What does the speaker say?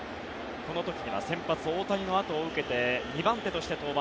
この時には先発、大谷の後を受けて２番手として登板。